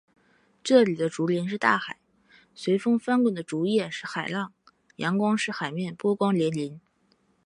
这里的竹林是大海，随风翻滚的竹叶是海浪，阳光使“海面”波光粼粼。